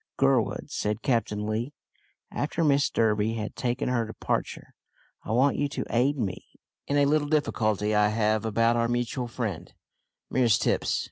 "Gurwood," said Captain Lee, after Mrs Durby had taken her departure, "I want you to aid me in a little difficulty I have about our mutual friend, Mrs Tipps.